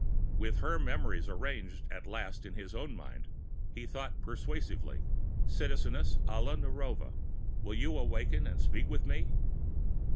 With her memories arranged at last in his own mind, he thought persuasively: "Citizeness Alla Narova, will you awaken and speak with me?"